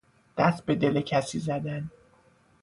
دست به دل کسی زدن